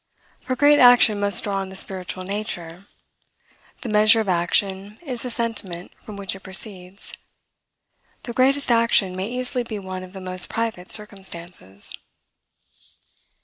For great action must draw on the spiritual nature. The measure of action is the sentiment from which it proceeds. The greatest action may easily be one of the most private circumstances.